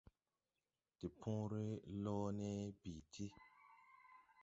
De pööre loone bi ti.